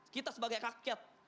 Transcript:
kita sebagai rakyat